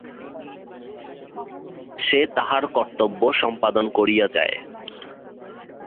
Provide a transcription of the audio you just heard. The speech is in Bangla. সে তাহার কর্তব্য সম্পাদন করিয়া যায়।